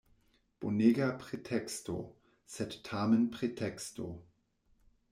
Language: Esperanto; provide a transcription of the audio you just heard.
Bonega preteksto — sed tamen preteksto.